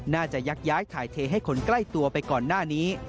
ยักย้ายถ่ายเทให้คนใกล้ตัวไปก่อนหน้านี้